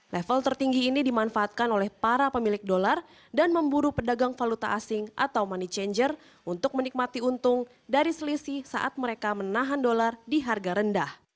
level tertinggi ini dimanfaatkan oleh para pemilik dolar dan memburu pedagang valuta asing atau money changer untuk menikmati untung dari selisih saat mereka menahan dolar di harga rendah